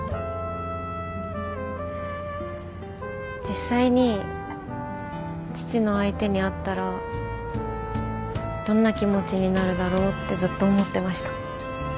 実際に父の相手に会ったらどんな気持ちになるだろうってずっと思ってました。